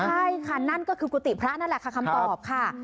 ใช่ค่ะนั่นก็คือกุฏิพระนั่นแหละค่ะคำตอบค่ะ